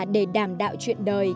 để đảm đạo chuyện đời